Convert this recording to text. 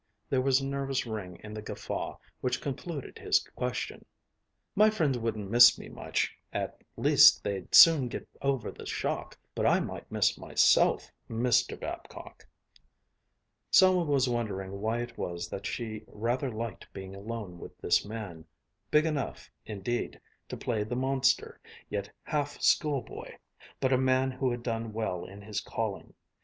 There was a nervous ring in the guffaw which concluded his question. "My friends wouldn't miss me much; at least they'd soon get over the shock; but I might miss myself, Mr. Babcock." Selma was wondering why it was that she rather liked being alone with this man, big enough, indeed, to play the monster, yet half school boy, but a man who had done well in his calling.